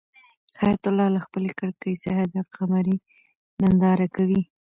حیات الله له خپلې کړکۍ څخه د قمرۍ ننداره کوي.